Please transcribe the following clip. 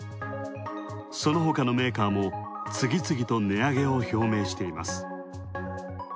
そのほかのメーカーも次々と値上げを表明しています。